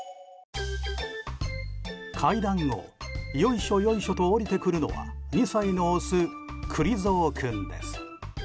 階段をよいしょ、よいしょと下りてくるのは２歳のオス、くり蔵君です。